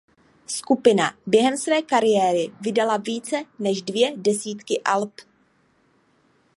Skupina během své kariéry vydala více než dvě desítky alb.